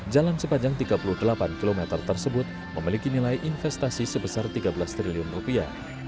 jalan sepanjang tiga puluh delapan km tersebut memiliki nilai investasi sebesar tiga belas triliun rupiah